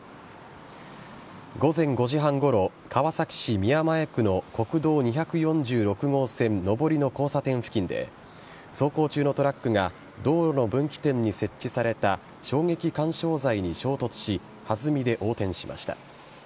午前５時半ごろ川崎市宮前区の国道２４６号線上りの交差点付近で走行中のトラックが道路の分岐点に設置された衝撃緩衝材に衝突し弾みで横転しました。